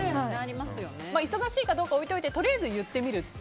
忙しいかどうかは置いておいてとりあえず言ってみると。